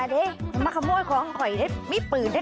อย่าได้ไม่มาขโมยของข่อยได้มิดปืนแน่